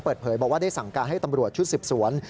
เปิดเผยบอกว่าได้สั่งการให้ตำรวจชุดสืบสวน